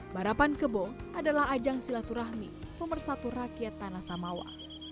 barapan kebo adalah ajang silaturahmi pemersatu rakyat tanah samawa